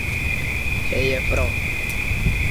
Hej Flo!